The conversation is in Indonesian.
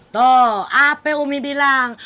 tuh apa umi bilang